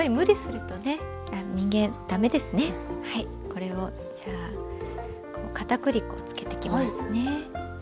これをじゃあかたくり粉をつけていきますね。